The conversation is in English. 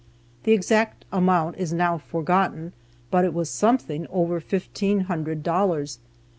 The exact amount is now forgotten, but it was something over fifteen hundred dollars.